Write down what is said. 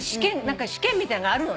試験みたいなのがあるの。